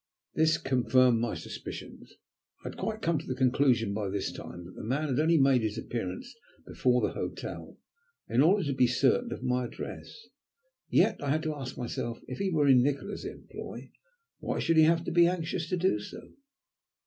This confirmed my suspicions. I had quite come to the conclusion by this time that the man had only made his appearance before the hotel in order to be certain of my address. Yet, I had to ask myself, if he were in Nikola's employ, why should he have been anxious to do so?